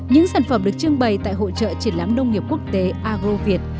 những sản phẩm được trưng bày tại hội trợ triển lãm nông nghiệp quốc tế agro việt